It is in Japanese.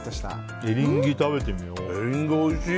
エリンギおいしい。